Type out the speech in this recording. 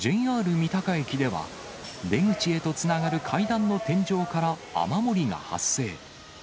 三鷹駅では、出口へとつながる階段の天井から雨漏りが発生。